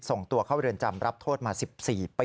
ส่งตัวเข้าเรือนจำรับโทษมา๑๔ปี